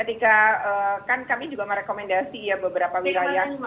ketika kan kami juga merekomendasi ya beberapa wilayah